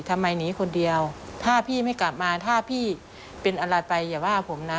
ทำไมหนีคนเดียวถ้าพี่ไม่กลับมาถ้าพี่เป็นอะไรไปอย่าว่าผมนะ